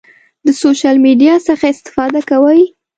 د سوشل میډیا څخه استفاده کوئ؟